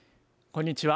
こんにちは。